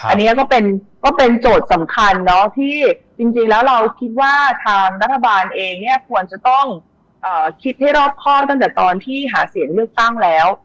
อันนี้ก็เป็นโจทย์สำคัญเนาะที่จริงแล้วเราคิดว่าทางรัฐบาลเองเนี่ยควรจะต้องคิดให้รอบครอบตั้งแต่ตอนที่หาเสียงเลือกตั้งแล้ว